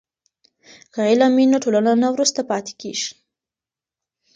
که علم وي نو ټولنه نه وروسته پاتې کیږي.